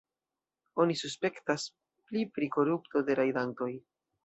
Oni suspektas pli pri korupto de rajdantoj.